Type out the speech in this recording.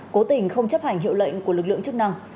cố tình không chấp hành hiệu lệnh của lực lượng chức năng